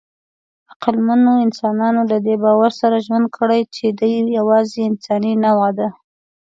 عقلمنو انسانانو له دې باور سره ژوند کړی، چې دی یواځینۍ انساني نوعه ده.